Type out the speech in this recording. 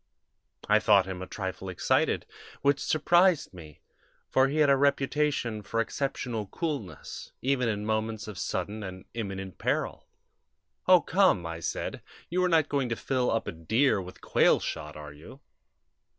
I thought him a trifle excited, which surprised me, for he had a reputation for exceptional coolness, even in moments of sudden and imminent peril. "'O, come!' I said. 'You are not going to fill up a deer with quail shot, are you?'